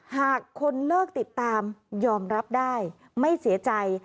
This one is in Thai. หากคนเลิกติดตามยอมรับได้ไม่เสียใจ